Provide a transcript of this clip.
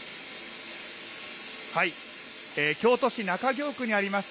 京都市中京区にあります